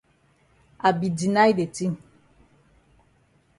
I be deny de tin.